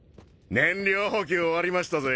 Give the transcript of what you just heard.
燃料補給終わりましたぜ。